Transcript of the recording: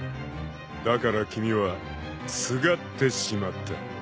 ［だから君はすがってしまった］